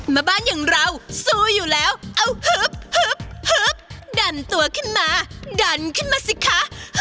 มาบ้านอย่างเราสู้อยู่แล้วเอาฮึบฮึบดันตัวขึ้นมาดันขึ้นมาสิคะ